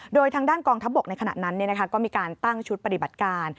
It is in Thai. โดยทางด้านกองทัพบกในขณะนั้นก็มีการตั้งชุดปฏิบัติการ